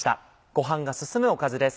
ご飯が進むおかずです。